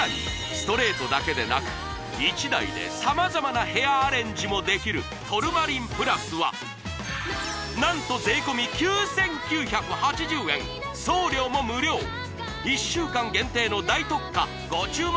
ストレートだけでなく１台で様々なヘアアレンジもできるトルマリンプラスは何と税込９，９８０円送料も無料１週間限定の大特価ご注文